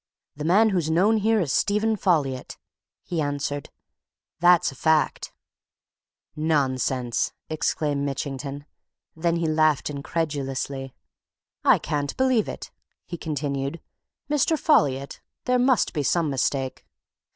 "The man who's known here as Stephen Folliot," he answered. "That's a fact!" "Nonsense!" exclaimed Mitchington. Then he laughed incredulously. "Can't believe it!" he continued. "Mr. Folliot! Must be some mistake!"